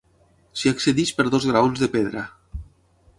S'hi accedeix per dos graons de pedra.